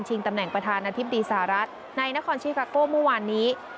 ตำแหน่งประธานาธิบดีสหรัฐในนครชิคาโก้เมื่อวานนี้